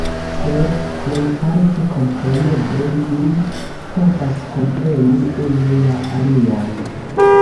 Sed plejparte kompreneble ni povas kompreni unu la alian.